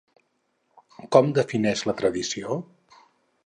Com defineix la tradició?